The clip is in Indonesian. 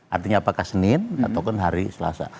artinya apakah senin ataupun hari selasa